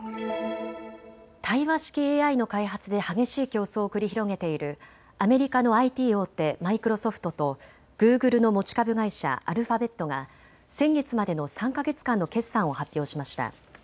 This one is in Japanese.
対話式ＡＩの開発で激しい競争を繰り広げているアメリカのＩＴ大手、マイクロソフトとグーグルの持ち株会社、アルファベットが先月までの３か月間の決算を発表しました。